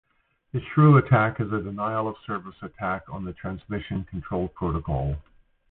The shrew attack is a denial-of-service attack on the Transmission Control Protocol.